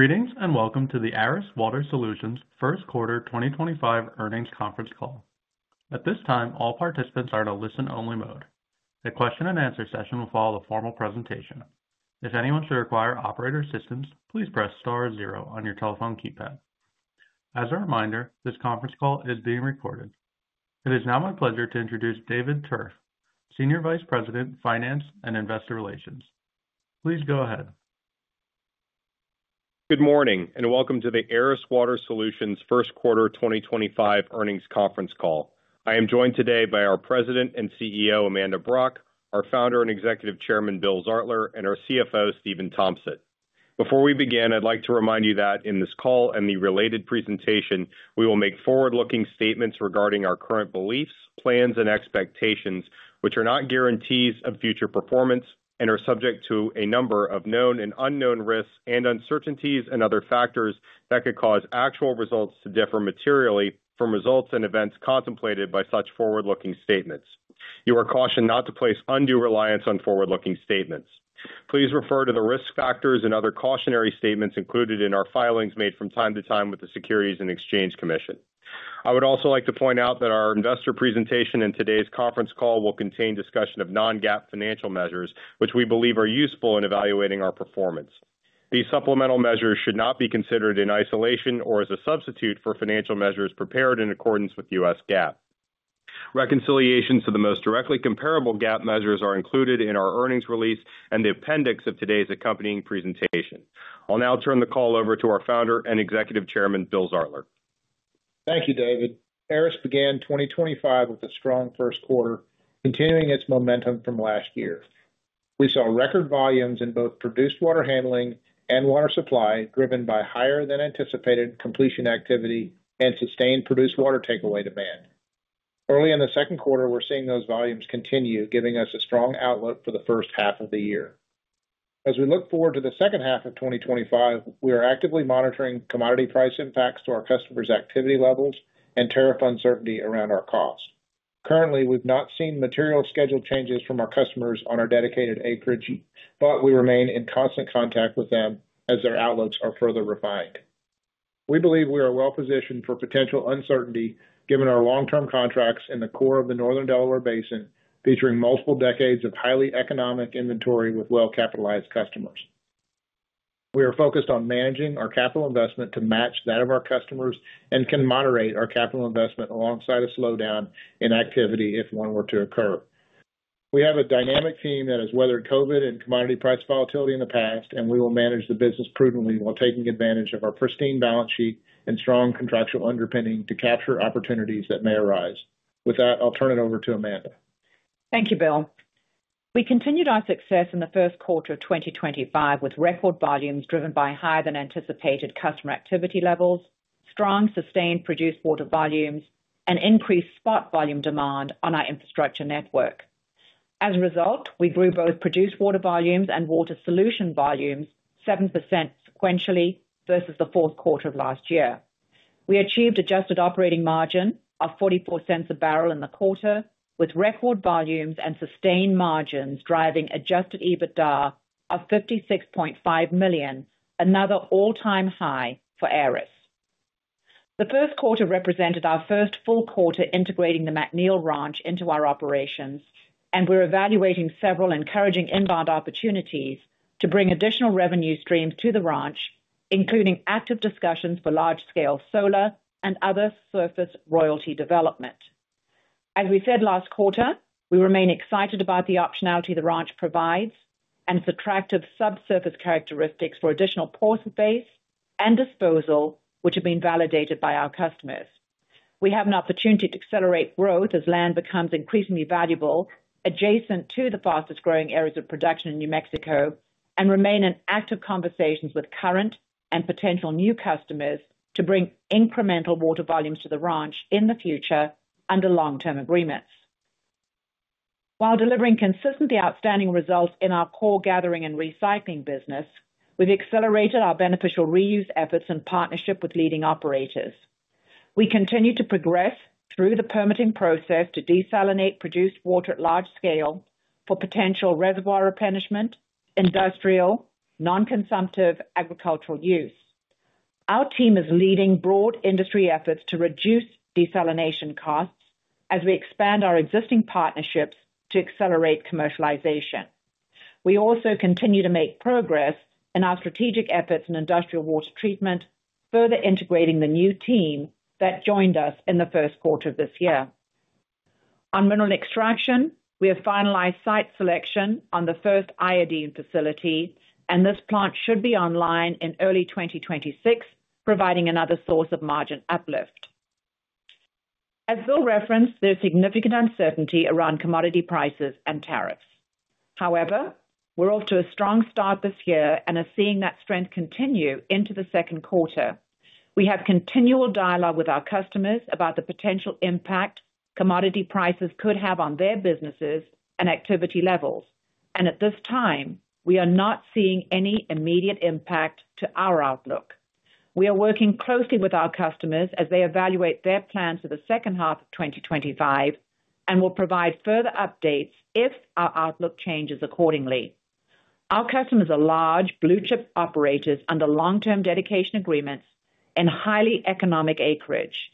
Greetings and welcome to the Aris Water Solutions First Quarter 2025 earnings conference call. At this time, all participants are in a listen-only mode. The question-and-answer session will follow the formal presentation. If anyone should require operator assistance, please press star zero on your telephone keypad. As a reminder, this conference call is being recorded. It is now my pleasure to introduce David Tuerff, Senior Vice President, Finance and Investor Relations. Please go ahead. Good morning and welcome to the Aris Water Solutions First Quarter 2025 earnings conference call. I am joined today by our President and CEO, Amanda Brock, our Founder and Executive Chairman, Bill Zartler, and our CFO, Stephan Tompsett. Before we begin, I'd like to remind you that in this call and the related presentation, we will make forward-looking statements regarding our current beliefs, plans, and expectations, which are not guarantees of future performance and are subject to a number of known and unknown risks and uncertainties and other factors that could cause actual results to differ materially from results and events contemplated by such forward-looking statements. You are cautioned not to place undue reliance on forward-looking statements. Please refer to the risk factors and other cautionary statements included in our filings made from time to time with the Securities and Exchange Commission. I would also like to point out that our investor presentation and today's conference call will contain discussion of non-GAAP financial measures, which we believe are useful in evaluating our performance. These supplemental measures should not be considered in isolation or as a substitute for financial measures prepared in accordance with U.S. GAAP. Reconciliations to the most directly comparable GAAP measures are included in our earnings release and the appendix of today's accompanying presentation. I'll now turn the call over to our Founder and Executive Chairman, Bill Zartler. Thank you, David. Aris began 2025 with a strong first quarter, continuing its momentum from last year. We saw record volumes in both produced water handling and water supply driven by higher-than-anticipated completion activity and sustained produced water takeaway demand. Early in the second quarter, we're seeing those volumes continue, giving us a strong outlook for the first half of the year. As we look forward to the second half of 2025, we are actively monitoring commodity price impacts to our customers' activity levels and tariff uncertainty around our costs. Currently, we've not seen material schedule changes from our customers on our dedicated acreage, but we remain in constant contact with them as their outlooks are further refined. We believe we are well-positioned for potential uncertainty given our long-term contracts in the core of the Northern Delaware Basin, featuring multiple decades of highly economic inventory with well-capitalized customers. We are focused on managing our capital investment to match that of our customers and can moderate our capital investment alongside a slowdown in activity if one were to occur. We have a dynamic team that has weathered COVID and commodity price volatility in the past, and we will manage the business prudently while taking advantage of our pristine balance sheet and strong contractual underpinning to capture opportunities that may arise. With that, I'll turn it over to Amanda. Thank you, Bill. We continued our success in the first quarter of 2025 with record volumes driven by higher-than-anticipated customer activity levels, strong sustained produced water volumes, and increased spot volume demand on our infrastructure network. As a result, we grew both produced water volumes and water solution volumes 7% sequentially versus the fourth quarter of last year. We achieved adjusted operating margin of $0.44 a barrel in the quarter, with record volumes and sustained margins driving adjusted EBITDA of $56.5 million, another all-time high for Aris. The first quarter represented our first full quarter integrating the McNeil Ranch into our operations, and we're evaluating several encouraging inbound opportunities to bring additional revenue streams to the ranch, including active discussions for large-scale solar and other surface royalty development. As we said last quarter, we remain excited about the optionality the ranch provides and subtractive subsurface characteristics for additional pore space and disposal, which have been validated by our customers. We have an opportunity to accelerate growth as land becomes increasingly valuable adjacent to the fastest-growing areas of production in New Mexico and remain in active conversations with current and potential new customers to bring incremental water volumes to the ranch in the future under long-term agreements. While delivering consistently outstanding results in our core gathering and recycling business, we've accelerated our beneficial reuse efforts in partnership with leading operators. We continue to progress through the permitting process to desalinate produced water at large scale for potential reservoir replenishment, industrial, non-consumptive, agricultural use. Our team is leading broad industry efforts to reduce desalination costs as we expand our existing partnerships to accelerate commercialization. We also continue to make progress in our strategic efforts in industrial water treatment, further integrating the new team that joined us in the first quarter of this year. On mineral extraction, we have finalized site selection on the first iodine facility, and this plant should be online in early 2026, providing another source of margin uplift. As Bill referenced, there's significant uncertainty around commodity prices and tariffs. However, we're off to a strong start this year and are seeing that strength continue into the second quarter. We have continual dialogue with our customers about the potential impact commodity prices could have on their businesses and activity levels, and at this time, we are not seeing any immediate impact to our outlook. We are working closely with our customers as they evaluate their plans for the second half of 2025 and will provide further updates if our outlook changes accordingly. Our customers are large blue-chip operators under long-term dedication agreements and highly economic acreage.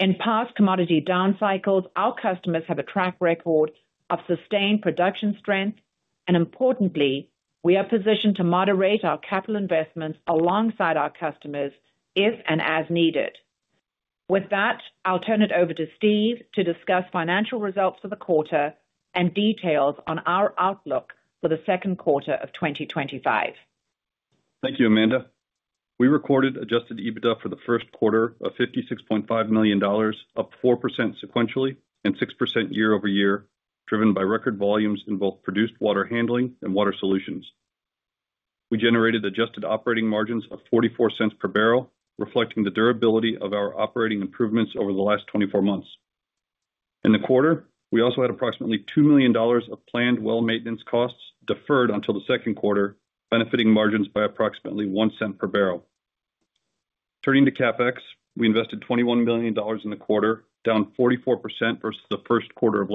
In past commodity down cycles, our customers have a track record of sustained production strength, and importantly, we are positioned to moderate our capital investments alongside our customers if and as needed. With that, I'll turn it over to Steve to discuss financial results for the quarter and details on our outlook for the second quarter of 2025. Thank you, Amanda. We recorded adjusted EBITDA for the first quarter of $56.5 million, up 4% sequentially and 6% year-over-year, driven by record volumes in both produced water handling and water solutions. We generated adjusted operating margins of $0.44 per barrel, reflecting the durability of our operating improvements over the last 24 months. In the quarter, we also had approximately $2 million of planned well maintenance costs deferred until the second quarter, benefiting margins by approximately $0.01 per barrel. Turning to CapEx, we invested $21 million in the quarter, down 44% versus the first quarter of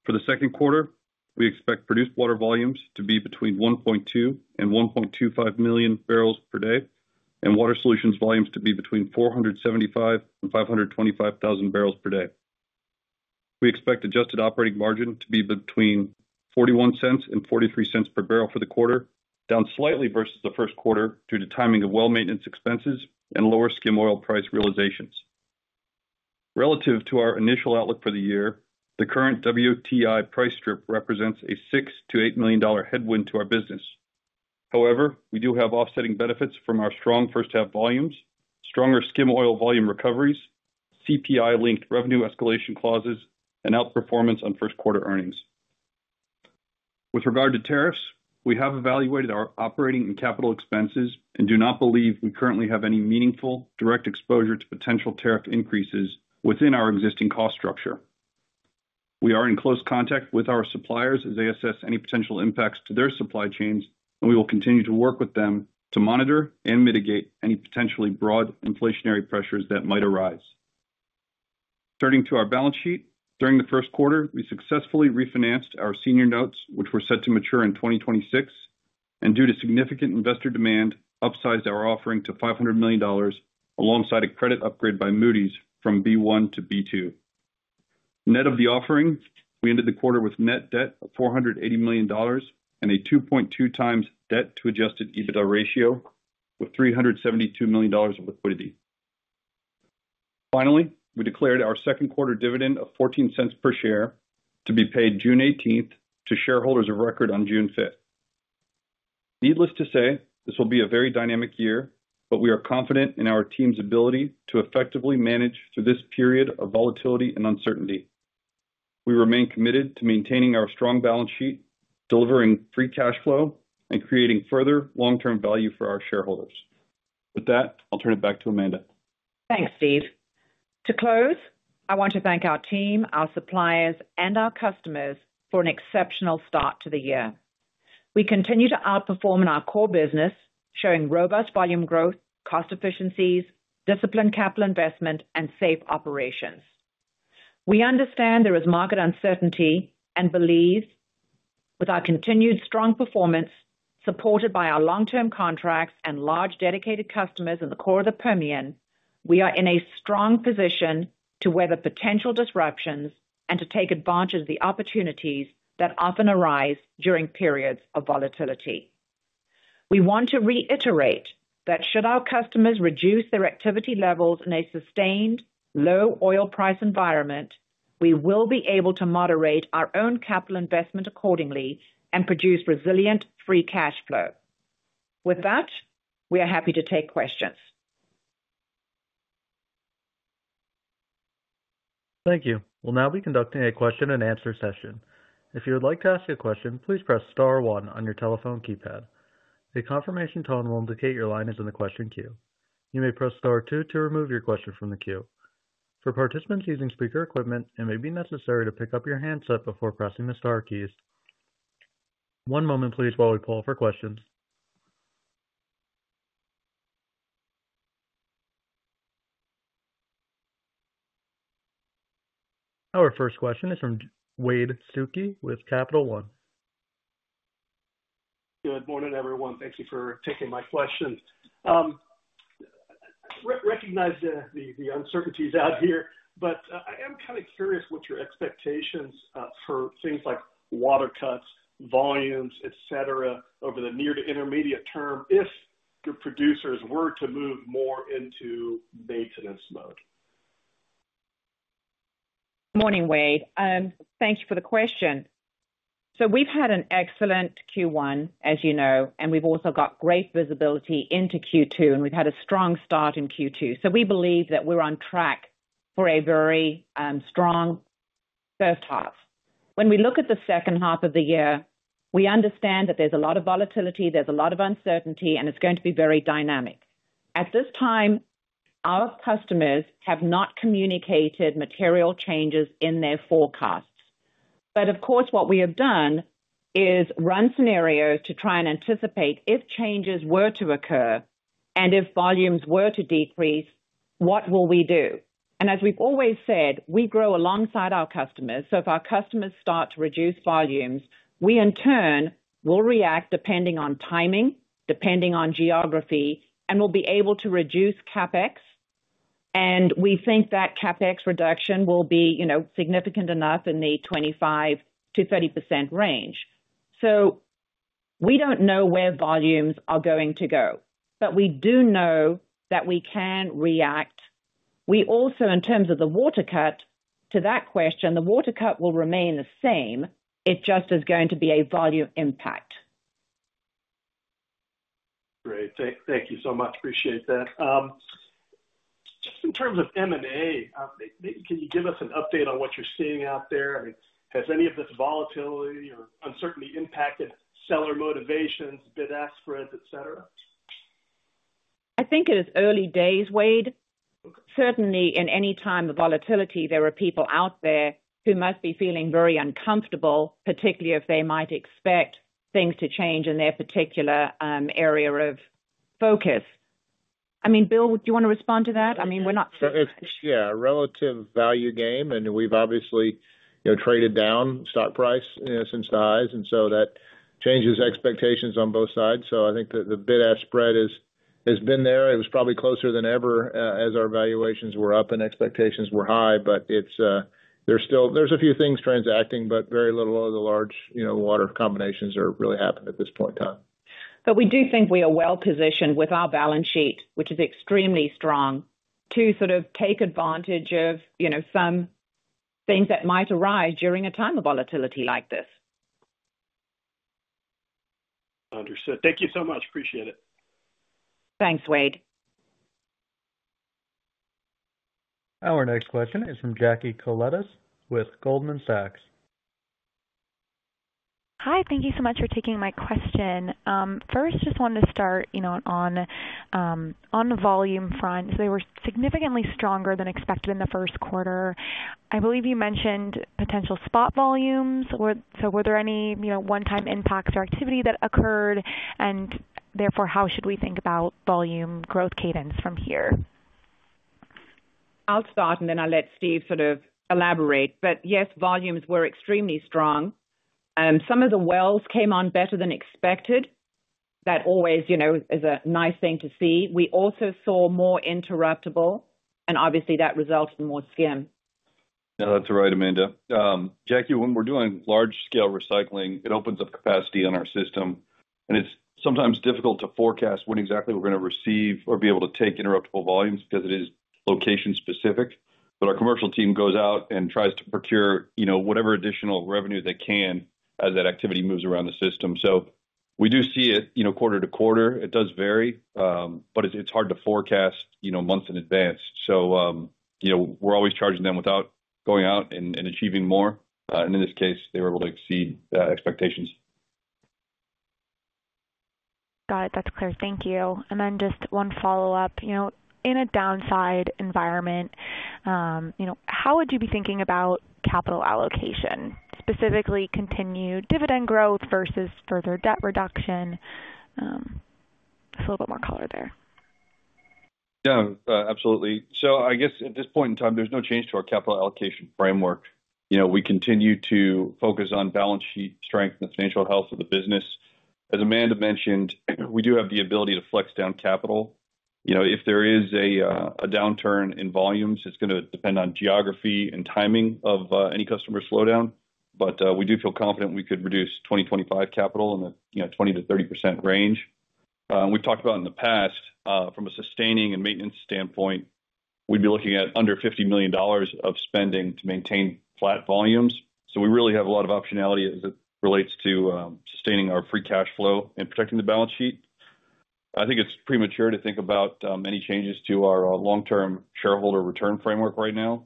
last year. For the second quarter, we expect produced water volumes to be between 1.2 million and 1.25 million barrels per day and water solutions volumes to be between 475,000 and 525,000 barrels per day. We expect adjusted operating margin to be between $0.41 and $0.43 per barrel for the quarter, down slightly versus the first quarter due to timing of well maintenance expenses and lower skim oil price realizations. Relative to our initial outlook for the year, the current WTI price strip represents a $6 to $8 million headwind to our business. However, we do have offsetting benefits from our strong first-half volumes, stronger skim oil volume recoveries, CPI-linked revenue escalation clauses, and outperformance on first-quarter earnings. With regard to tariffs, we have evaluated our operating and capital expenses and do not believe we currently have any meaningful direct exposure to potential tariff increases within our existing cost structure. We are in close contact with our suppliers as they assess any potential impacts to their supply chains, and we will continue to work with them to monitor and mitigate any potentially broad inflationary pressures that might arise. Turning to our balance sheet, during the first quarter, we successfully refinanced our senior notes, which were set to mature in 2026, and due to significant investor demand, upsized our offering to $500 million alongside a credit upgrade by Moody's from B1 to B2. Net of the offering, we ended the quarter with net debt of $480 million and a 2.2 times debt-to-adjusted EBITDA ratio with $372 million of liquidity. Finally, we declared our second-quarter dividend of $0.14 per share to be paid June 18th to shareholders of record on June 5th. Needless to say, this will be a very dynamic year, but we are confident in our team's ability to effectively manage through this period of volatility and uncertainty. We remain committed to maintaining our strong balance sheet, delivering free cash flow, and creating further long-term value for our shareholders. With that, I'll turn it back to Amanda. Thanks, Steve. To close, I want to thank our team, our suppliers, and our customers for an exceptional start to the year. We continue to outperform in our core business, showing robust volume growth, cost efficiencies, disciplined capital investment, and safe operations. We understand there is market uncertainty and believe with our continued strong performance, supported by our long-term contracts and large dedicated customers in the core of the Permian, we are in a strong position to weather potential disruptions and to take advantage of the opportunities that often arise during periods of volatility. We want to reiterate that should our customers reduce their activity levels in a sustained low oil price environment, we will be able to moderate our own capital investment accordingly and produce resilient free cash flow. With that, we are happy to take questions. Thank you. We'll now be conducting a question-and-answer session. If you would like to ask a question, please press star one on your telephone keypad. A confirmation tone will indicate your line is in the question queue. You may press star two to remove your question from the queue. For participants using speaker equipment, it may be necessary to pick up your handset before pressing the Star keys. One moment, please, while we pull up our questions. Our first question is from Wade Suki with Capital One. Good morning, everyone. Thank you for taking my question. Recognize the uncertainties out here, but I am kind of curious what your expectations are for things like water cuts, volumes, et cetera, over the near to intermediate term if your producers were to move more into maintenance mode. Morning, Wade. Thank you for the question. We have had an excellent Q1, as you know, and we have also got great visibility into Q2, and we have had a strong start in Q2. We believe that we are on track for a very strong first half. When we look at the second half of the year, we understand that there is a lot of volatility, there is a lot of uncertainty, and it is going to be very dynamic. At this time, our customers have not communicated material changes in their forecasts. Of course, what we have done is run scenarios to try and anticipate if changes were to occur and if volumes were to decrease, what will we do? As we have always said, we grow alongside our customers. If our customers start to reduce volumes, we in turn will react depending on timing, depending on geography, and we'll be able to reduce CapEx. We think that CapEx reduction will be significant enough in the 25%-30% range. We do not know where volumes are going to go, but we do know that we can react. We also, in terms of the water cut, to that question, the water cut will remain the same. It just is going to be a volume impact. Great. Thank you so much. Appreciate that. Just in terms of M&A, can you give us an update on what you're seeing out there? I mean, has any of this volatility or uncertainty impacted seller motivations, bid-ask spreads, et cetera? I think it is early days, Wade. Certainly, in any time of volatility, there are people out there who must be feeling very uncomfortable, particularly if they might expect things to change in their particular area of focus. I mean, Bill, do you want to respond to that? I mean, we're not. Yeah, relative value gain, and we've obviously traded down stock price since the highs, and so that changes expectations on both sides. I think that the bid-ask spread has been there. It was probably closer than ever as our valuations were up and expectations were high, but there's a few things transacting, but very little of the large water combinations are really happening at this point in time. We do think we are well positioned with our balance sheet, which is extremely strong, to sort of take advantage of some things that might arise during a time of volatility like this. Understood. Thank you so much. Appreciate it. Thanks, Wade. Our next question is from Jackie Koletas with Goldman Sachs. Hi. Thank you so much for taking my question. First, just wanted to start on the volume front. They were significantly stronger than expected in the first quarter. I believe you mentioned potential spot volumes. Were there any one-time impacts or activity that occurred? Therefore, how should we think about volume growth cadence from here? I'll start, and then I'll let Steve sort of elaborate. Yes, volumes were extremely strong. Some of the wells came on better than expected. That always is a nice thing to see. We also saw more interruptible, and obviously, that resulted in more skim. Yeah, that's right, Amanda. Jackie, when we're doing large-scale recycling, it opens up capacity on our system, and it's sometimes difficult to forecast when exactly we're going to receive or be able to take interruptible volumes because it is location-specific. Our commercial team goes out and tries to procure whatever additional revenue they can as that activity moves around the system. We do see it quarter to quarter. It does vary, but it's hard to forecast months in advance. We're always charging them without going out and achieving more. In this case, they were able to exceed expectations. Got it. That's clear. Thank you. Just one follow-up. In a downside environment, how would you be thinking about capital allocation, specifically continued dividend growth versus further debt reduction? Just a little bit more color there. Yeah, absolutely. I guess at this point in time, there's no change to our capital allocation framework. We continue to focus on balance sheet strength and the financial health of the business. As Amanda mentioned, we do have the ability to flex down capital. If there is a downturn in volumes, it's going to depend on geography and timing of any customer slowdown. We do feel confident we could reduce 2025 capital in the 20%-30% range. We've talked about in the past, from a sustaining and maintenance standpoint, we'd be looking at under $50 million of spending to maintain flat volumes. We really have a lot of optionality as it relates to sustaining our free cash flow and protecting the balance sheet. I think it's premature to think about any changes to our long-term shareholder return framework right now.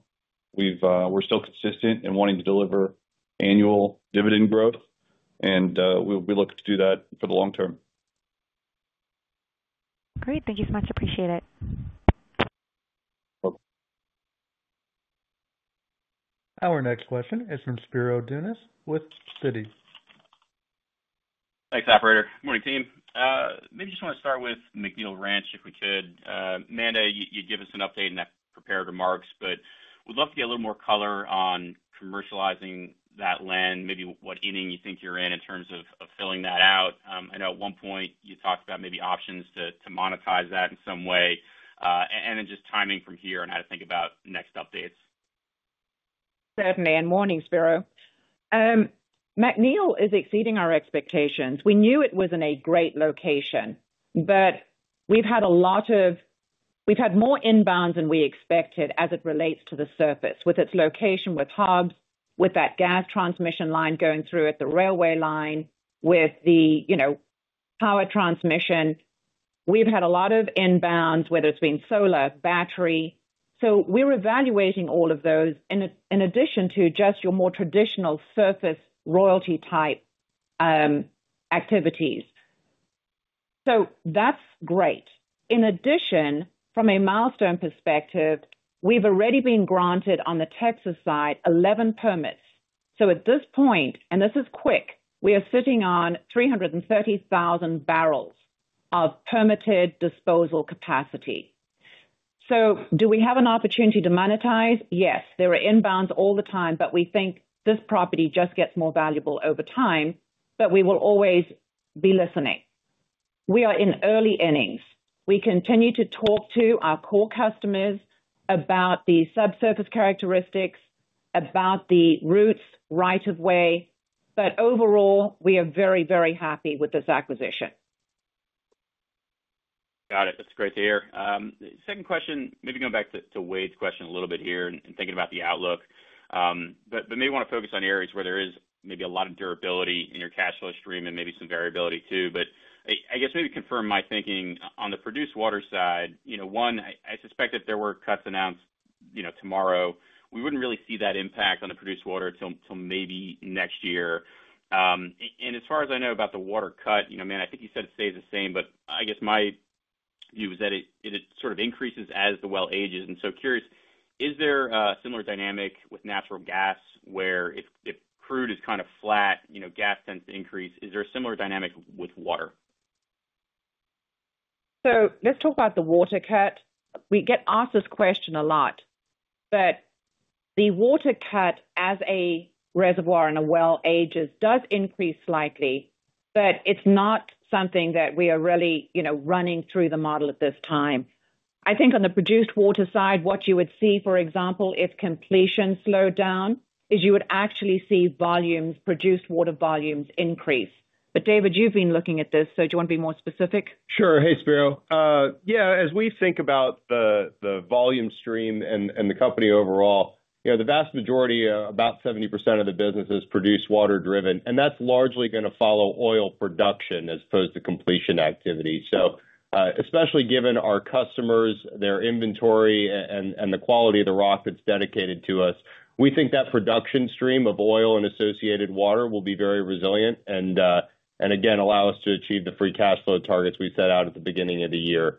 We're still consistent in wanting to deliver annual dividend growth, and we look to do that for the long term. Great. Thank you so much. Appreciate it. Our next question is from Spiro Dounis with Citi. Thanks, Operator. Good morning, team. Maybe just want to start with McNeil Ranch if we could. Amanda, you gave us an update in that prepared remarks, but we'd love to get a little more color on commercializing that land, maybe what ending you think you're in in terms of filling that out. I know at one point you talked about maybe options to monetize that in some way, and then just timing from here and how to think about next updates. Certainly, and morning, Spiro. McNeil is exceeding our expectations. We knew it was in a great location, but we've had more inbounds than we expected as it relates to the surface, with its location, with hubs, with that gas transmission line going through it, the railway line, with the power transmission. We've had a lot of inbounds, whether it's been solar, battery. We are evaluating all of those in addition to just your more traditional surface royalty-type activities. That is great. In addition, from a milestone perspective, we've already been granted on the Texas side 11 permits. At this point, and this is quick, we are sitting on 330,000 barrels of permitted disposal capacity. Do we have an opportunity to monetize? Yes. There are inbounds all the time, but we think this property just gets more valuable over time, but we will always be listening. We are in early innings. We continue to talk to our core customers about the subsurface characteristics, about the routes, right of way. Overall, we are very, very happy with this acquisition. Got it. That's great to hear. Second question, maybe going back to Wade's question a little bit here and thinking about the outlook, but maybe want to focus on areas where there is maybe a lot of durability in your cash flow stream and maybe some variability too. I guess maybe confirm my thinking on the produced water side. One, I suspect if there were cuts announced tomorrow, we wouldn't really see that impact on the produced water until maybe next year. As far as I know about the water cut, I think you said it stays the same, but I guess my view is that it sort of increases as the well ages. So curious, is there a similar dynamic with natural gas where if crude is kind of flat, gas tends to increase? Is there a similar dynamic with water? Let's talk about the water cut. We get asked this question a lot. The water cut, as a reservoir and a well ages, does increase slightly, but it's not something that we are really running through the model at this time. I think on the produced water side, what you would see, for example, if completion slowed down, is you would actually see volumes, produced water volumes, increase. David, you've been looking at this, so do you want to be more specific? Sure. Hey, Spiro. Yeah, as we think about the volume stream and the company overall, the vast majority, about 70% of the business is produced water-driven, and that's largely going to follow oil production as opposed to completion activity. Especially given our customers, their inventory, and the quality of the rock that's dedicated to us, we think that production stream of oil and associated water will be very resilient and, again, allow us to achieve the free cash flow targets we set out at the beginning of the year.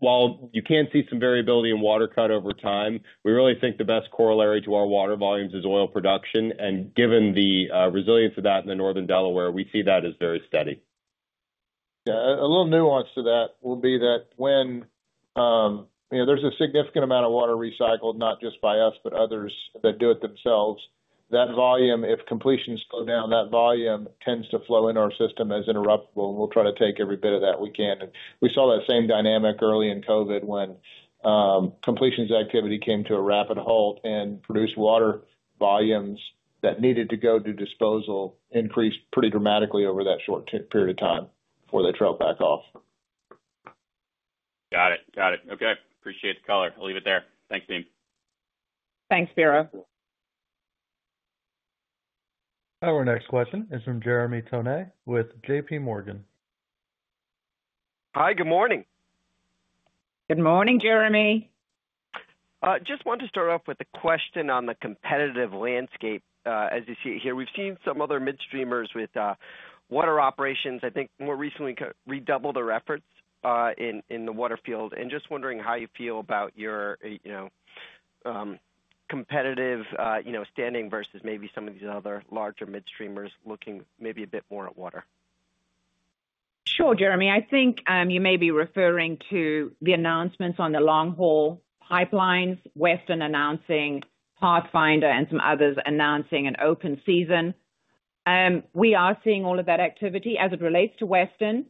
While you can see some variability in water cut over time, we really think the best corollary to our water volumes is oil production. Given the resilience of that in the Northern Delaware, we see that as very steady. Yeah. A little nuance to that will be that when there's a significant amount of water recycled, not just by us, but others that do it themselves, that volume, if completions slow down, that volume tends to flow in our system as interruptible, and we'll try to take every bit of that we can. We saw that same dynamic early in COVID when completions activity came to a rapid halt and produced water volumes that needed to go to disposal increased pretty dramatically over that short period of time before they trailed back off. Got it. Got it. Okay. Appreciate the color. I'll leave it there. Thanks, team. Thanks, Spiro. Our next question is from Jeremy Tonet with JPMorgan. Hi, good morning. Good morning, Jeremy. Just wanted to start off with a question on the competitive landscape as you see it here. We've seen some other midstreamers with water operations, I think more recently redoubled their efforts in the waterfield. Just wondering how you feel about your competitive standing versus maybe some of these other larger midstreamers looking maybe a bit more at water. Sure, Jeremy. I think you may be referring to the announcements on the long-haul pipelines, Western announcing Pathfinder and some others announcing an open season. We are seeing all of that activity as it relates to Western.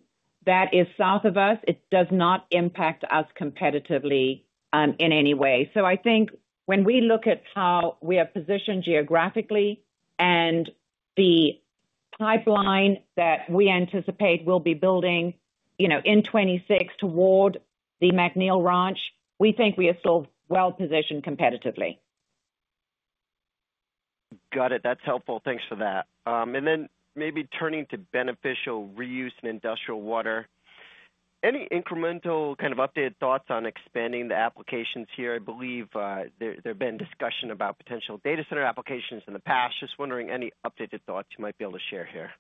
That is South of us. It does not impact us competitively in any way. I think when we look at how we are positioned geographically and the pipeline that we anticipate we'll be building in 2026 toward the McNeil Ranch, we think we are still well-positioned competitively. Got it. That's helpful. Thanks for that. Maybe turning to beneficial reuse and industrial water. Any incremental kind of updated thoughts on expanding the applications here? I believe there have been discussions about potential data center applications in the past. Just wondering any updated thoughts you might be able to share here.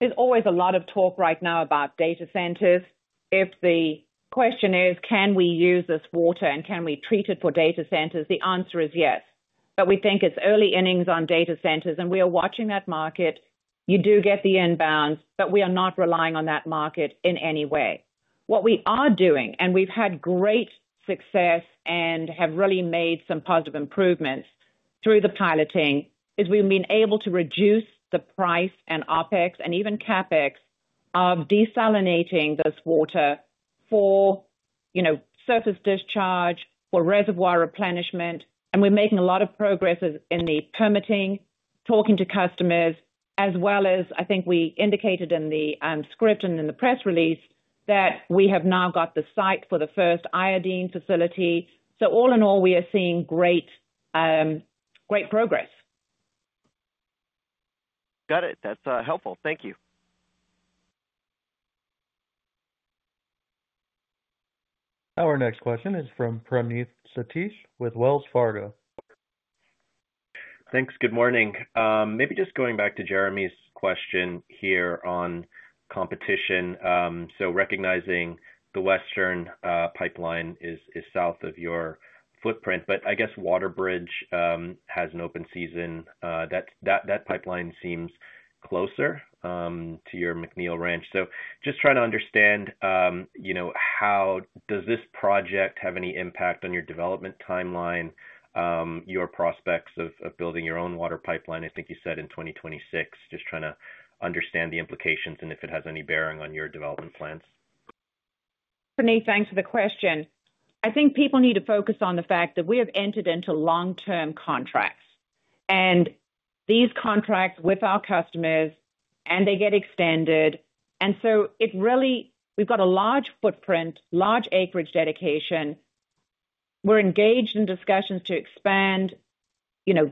There's always a lot of talk right now about data centers. If the question is, can we use this water and can we treat it for data centers? The answer is yes. We think it's early innings on data centers, and we are watching that market. You do get the inbounds, but we are not relying on that market in any way. What we are doing, and we've had great success and have really made some positive improvements through the piloting, is we've been able to reduce the price and OpEx and even CapEx of desalinating this water for surface discharge, for reservoir replenishment. We're making a lot of progress in the permitting, talking to customers, as well as I think we indicated in the script and in the press release that we have now got the site for the first iodine facility. All in all, we are seeing great progress. Got it. That's helpful. Thank you. Our next question is from Praneeth Satish with Wells Fargo. Thanks. Good morning. Maybe just going back to Jeremy's question here on competition. Recognizing the Western pipeline is South of your footprint, but I guess WaterBridge has an open season. That pipeline seems closer to your McNeil Ranch. Just trying to understand, how does this project have any impact on your development timeline, your prospects of building your own water pipeline? I think you said in 2026, just trying to understand the implications and if it has any bearing on your development plans. Praneeth, thanks for the question. I think people need to focus on the fact that we have entered into long-term contracts. These contracts with our customers, and they get extended. It really, we've got a large footprint, large acreage dedication. We're engaged in discussions to expand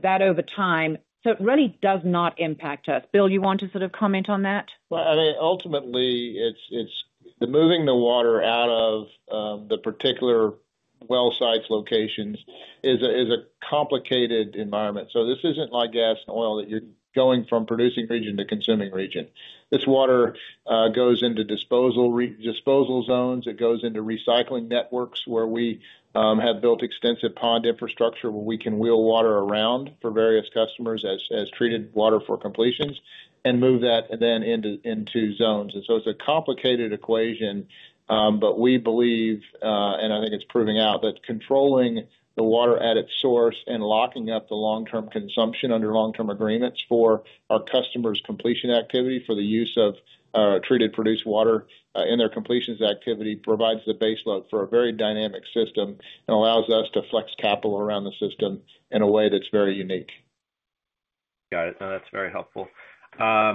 that over time. It really does not impact us. Bill, you want to sort of comment on that? I mean, ultimately, it's moving the water out of the particular well sites locations is a complicated environment. This isn't like gas and oil that you're going from producing region to consuming region. This water goes into disposal zones. It goes into recycling networks where we have built extensive pond infrastructure where we can wheel water around for various customers as treated water for completions and move that then into zones. It is a complicated equation, but we believe, and I think it's proving out, that controlling the water at its source and locking up the long-term consumption under long-term agreements for our customers' completion activity for the use of treated produced water in their completions activity provides the baseload for a very dynamic system and allows us to flex capital around the system in a way that's very unique. Got it. No, that's very helpful. I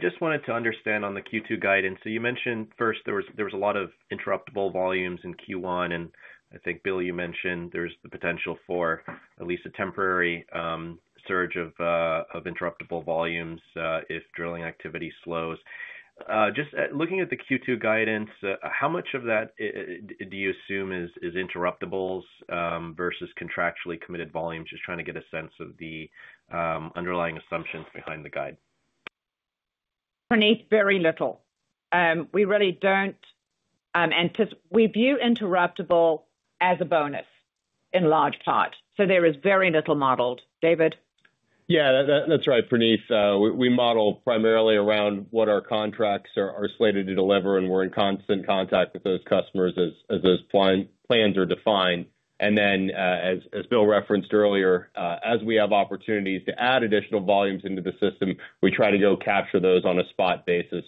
just wanted to understand on the Q2 guidance. You mentioned first there was a lot of interruptible volumes in Q1. I think, Bill, you mentioned there's the potential for at least a temporary surge of interruptible volumes if drilling activity slows. Just looking at the Q2 guidance, how much of that do you assume is interruptibles versus contractually committed volumes? Just trying to get a sense of the underlying assumptions behind the guide. Praneeth, very little. We really do not. We view interruptible as a bonus in large part. So there is very little modeled. David? Yeah, that's right, Praneeth. We model primarily around what our contracts are slated to deliver, and we're in constant contact with those customers as those plans are defined. As Bill referenced earlier, as we have opportunities to add additional volumes into the system, we try to go capture those on a spot basis.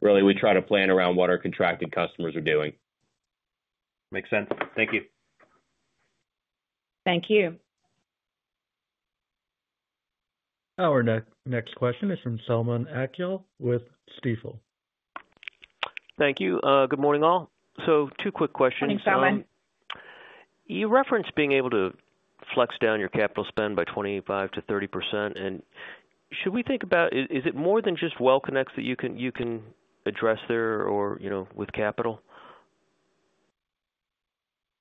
Really, we try to plan around what our contracted customers are doing. Makes sense. Thank you. Thank you. Our next question is from Selman Akyol with Stifel. Thank you. Good morning, all. Two quick questions. Morning, Selman. You referenced being able to flex down your capital spend by 25% to 30%. And should we think about is it more than just well connects that you can address there or with capital?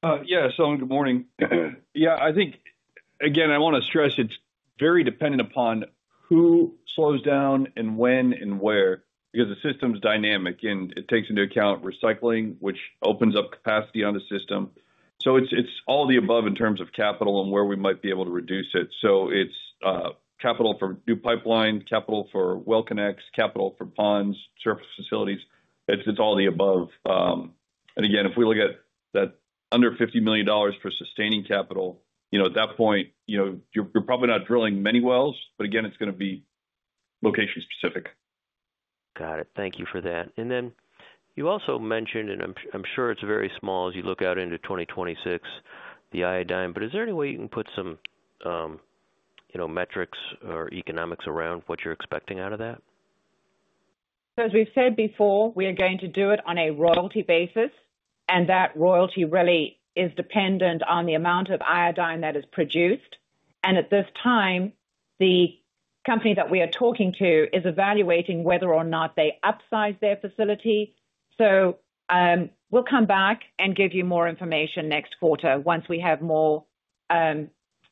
Yeah. Selman, good morning. Yeah. I think, again, I want to stress it's very dependent upon who slows down and when and where because the system's dynamic, and it takes into account recycling, which opens up capacity on the system. It's all the above in terms of capital and where we might be able to reduce it. It's capital for new pipeline, capital for well connects, capital for ponds, surface facilities. It's all the above. Again, if we look at that under $50 million for sustaining capital, at that point, you're probably not drilling many wells, but again, it's going to be location specific. Got it. Thank you for that. You also mentioned, and I'm sure it's very small as you look out into 2026, the iodine. Is there any way you can put some metrics or economics around what you're expecting out of that? As we've said before, we are going to do it on a royalty basis, and that royalty really is dependent on the amount of iodine that is produced. At this time, the company that we are talking to is evaluating whether or not they upsize their facility. We'll come back and give you more information next quarter once we have more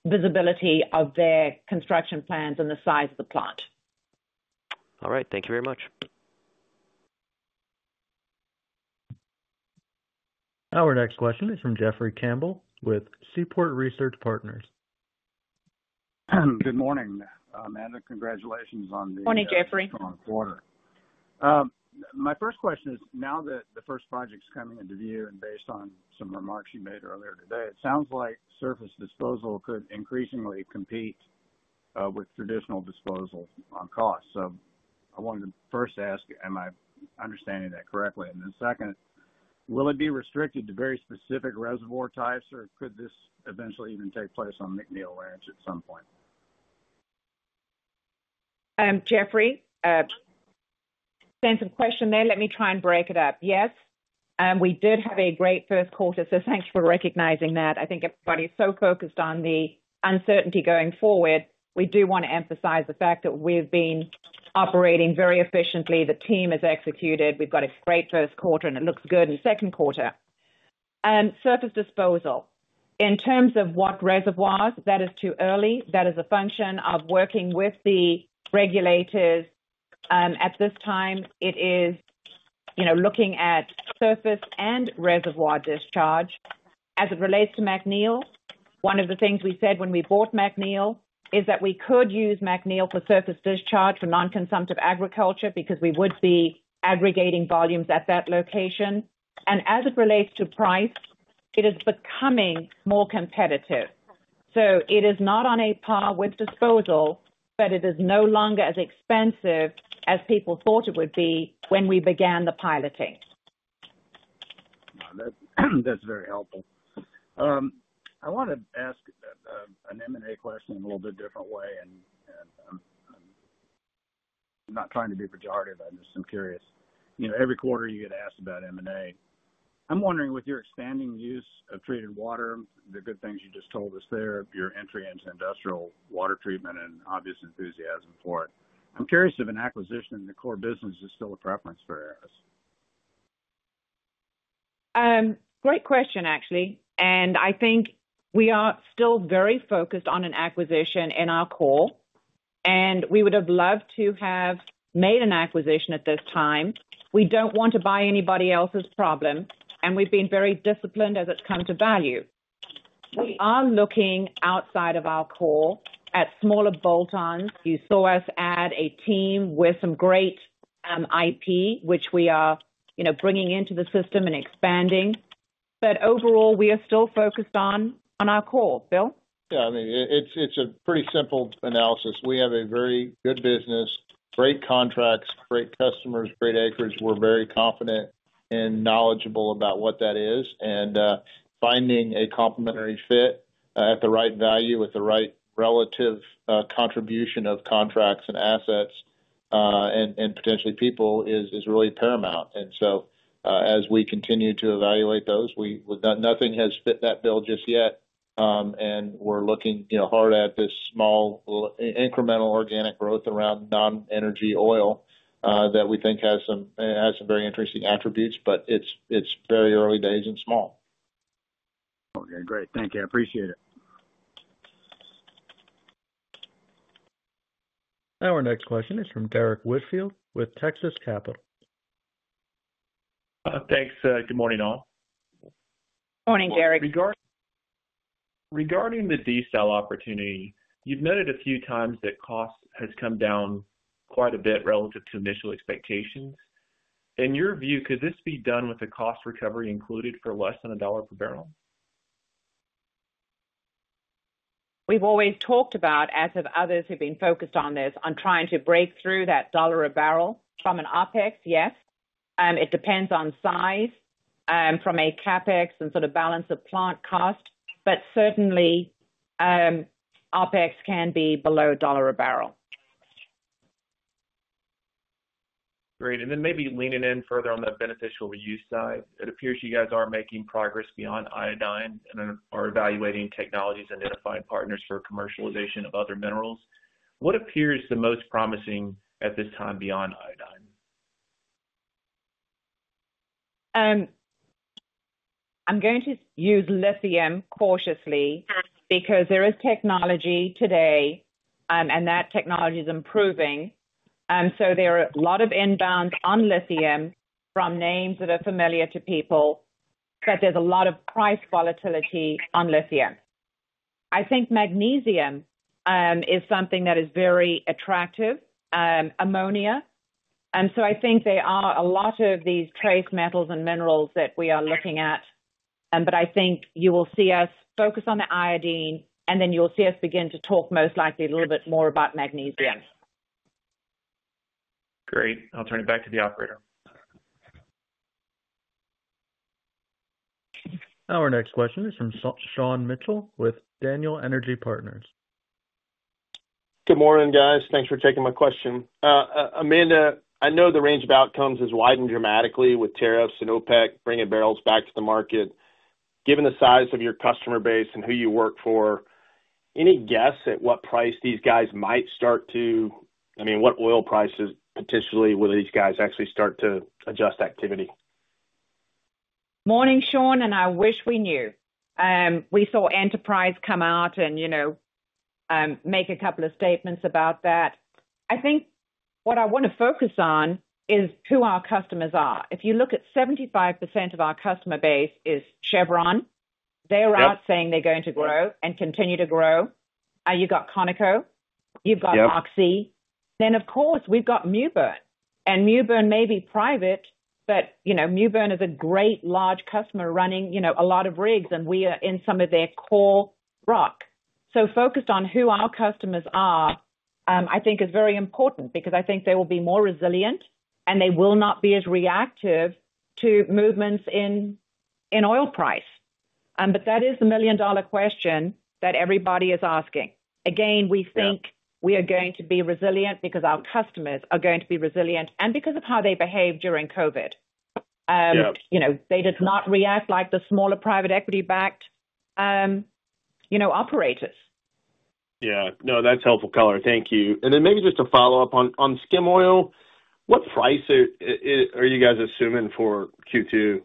visibility of their construction plans and the size of the plant. All right. Thank you very much. Our next question is from Jeffrey Campbell with Seaport Research Partners. Good morning, Amanda. Congratulations on the. Morning, Jeffrey. Quarter. My first question is, now that the first project's coming into view and based on some remarks you made earlier today, it sounds like surface disposal could increasingly compete with traditional disposal on cost. I wanted to first ask, am I understanding that correctly? Then second, will it be restricted to very specific reservoir types, or could this eventually even take place on McNeil Ranch at some point? Jeffrey, sense of question there. Let me try and break it up. Yes. We did have a great first quarter, so thanks for recognizing that. I think everybody's so focused on the uncertainty going forward. We do want to emphasize the fact that we've been operating very efficiently. The team has executed. We've got a great first quarter, and it looks good in the second quarter. Surface disposal, in terms of what reservoirs, that is too early. That is a function of working with the regulators. At this time, it is looking at surface and reservoir discharge. As it relates to McNeil, one of the things we said when we bought McNeil is that we could use McNeil for surface discharge for non-consumptive agriculture because we would be aggregating volumes at that location. As it relates to price, it is becoming more competitive. It is not on a par with disposal, but it is no longer as expensive as people thought it would be when we began the piloting. That's very helpful. I want to ask an M&A question in a little bit different way. I'm not trying to be pejorative. I'm just curious. Every quarter, you get asked about M&A. I'm wondering, with your expanding use of treated water, the good things you just told us there, your entry into industrial water treatment, and obvious enthusiasm for it, I'm curious if an acquisition in the core business is still a preference for Aris. Great question, actually. I think we are still very focused on an acquisition in our core. We would have loved to have made an acquisition at this time. We do not want to buy anybody else's problem. We have been very disciplined as it has come to value. We are looking outside of our core at smaller bolt-ons. You saw us add a team with some great IP, which we are bringing into the system and expanding. Overall, we are still focused on our core. Bill? Yeah. I mean, it's a pretty simple analysis. We have a very good business, great contracts, great customers, great acreage. We're very confident and knowledgeable about what that is. Finding a complementary fit at the right value with the right relative contribution of contracts and assets and potentially people is really paramount. As we continue to evaluate those, nothing has fit that bill just yet. We're looking hard at this small incremental organic growth around non-energy oil that we think has some very interesting attributes, but it's very early days and small. Okay. Great. Thank you. I appreciate it. Our next question is from Derrick Whitfield with Texas Capital. Thanks. Good morning, all. Morning, Derek. Regarding the desal opportunity, you've noted a few times that cost has come down quite a bit relative to initial expectations. In your view, could this be done with a cost recovery included for less than $1 per barrel? We've always talked about, as have others who've been focused on this, on trying to break through that dollar a barrel from an OpEx, yes. It depends on size from a CapEx and sort of balance of plant cost. But certainly, OpEx can be below a dollar a barrel. Great. Maybe leaning in further on the beneficial reuse side, it appears you guys are making progress beyond iodine and are evaluating technologies and identifying partners for commercialization of other minerals. What appears the most promising at this time beyond iodine? I'm going to use lithium cautiously because there is technology today, and that technology is improving. There are a lot of inbounds on lithium from names that are familiar to people, but there's a lot of price volatility on lithium. I think magnesium is something that is very attractive, ammonia. I think there are a lot of these trace metals and minerals that we are looking at. I think you will see us focus on the iodine, and then you'll see us begin to talk most likely a little bit more about magnesium. Great. I'll turn it back to the operator. Our next question is from Sean Mitchell with Daniel Energy Partners. Good morning, guys. Thanks for taking my question. Amanda, I know the range of outcomes has widened dramatically with tariffs and OPEC bringing barrels back to the market. Given the size of your customer base and who you work for, any guess at what price these guys might start to—I mean, what oil prices potentially will these guys actually start to adjust activity? Morning, Sean, and I wish we knew. We saw Enterprise come out and make a couple of statements about that. I think what I want to focus on is who our customers are. If you look at 75% of our customer base is Chevron. They're out saying they're going to grow and continue to grow. You've got Conoco. You've got Oxy. Of course, we've got Mewbourne. Mewbourne may be private, but Mewbourne is a great large customer running a lot of rigs, and we are in some of their core rock. Focused on who our customers are, I think, is very important because I think they will be more resilient, and they will not be as reactive to movements in oil price. That is the million-dollar question that everybody is asking. Again, we think we are going to be resilient because our customers are going to be resilient and because of how they behaved during COVID. They did not react like the smaller private equity-backed operators. Yeah. No, that's helpful color. Thank you. Maybe just to follow up on skim oil, what price are you guys assuming for Q2?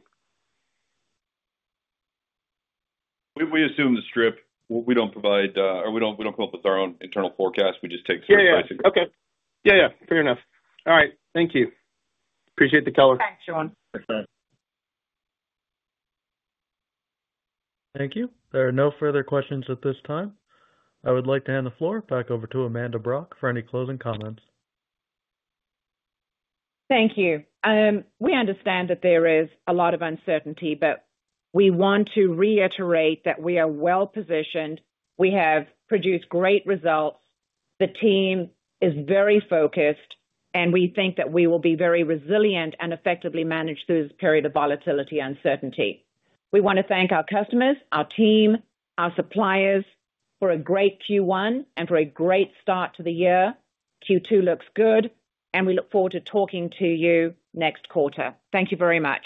We assume the strip. We do not provide—or we do not come up with our own internal forecast. We just take strip pricing. Yeah. Okay. Yeah, fair enough. All right. Thank you. Appreciate the color. Thanks, Sean. Thank you. There are no further questions at this time. I would like to hand the floor back over to Amanda Brock for any closing comments. Thank you. We understand that there is a lot of uncertainty, but we want to reiterate that we are well-positioned. We have produced great results. The team is very focused, and we think that we will be very resilient and effectively manage through this period of volatility and uncertainty. We want to thank our customers, our team, our suppliers for a great Q1 and for a great start to the year. Q2 looks good, and we look forward to talking to you next quarter. Thank you very much.